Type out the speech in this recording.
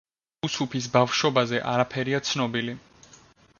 უსუფის ბავშვობაზე არაფერია ცნობილი.